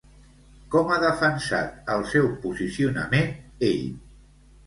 Com ha defensat el seu posicionament ell?